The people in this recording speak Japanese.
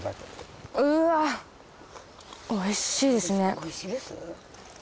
おいしいですね。